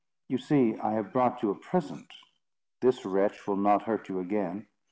You see I have brought you a present. This wretch will not hurt you again."